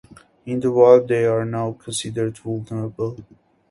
In the wild, they are now considered vulnerable.